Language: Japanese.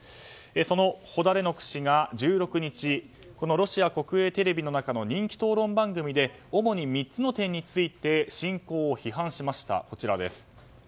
そのホダレノク氏が１６日、ロシア国営テレビの中の人気討論番組で主に３つの点について侵攻を批判しました。